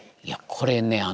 いやこれね